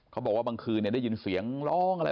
เขาบอกว่าบางคืนนี่ได้ยินเสียงล้องอะไร